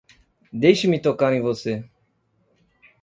Deixe-me tocar em você!